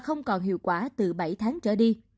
không còn hiệu quả từ bảy tháng trở đi